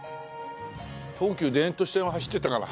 東急田園都市線は走ってたかな？